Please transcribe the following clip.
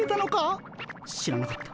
知らなかった。